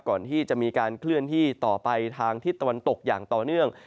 ก่อนที่จะมีการเคลื่อนที่ต่อไปทางทิศตะวันตกอย่างต่อเนื่อง